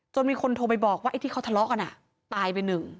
มีคนโทรไปบอกว่าไอ้ที่เขาทะเลาะกันตายไปหนึ่ง